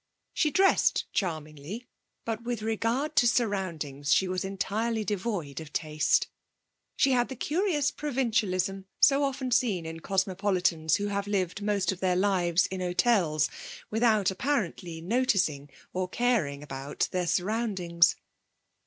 She dressed charmingly, but with regard to surroundings she was entirely devoid of taste. She had the curious provincialism so often seen in cosmopolitans who have lived most of their lives in hotels, without apparently noticing or caring about their surroundings.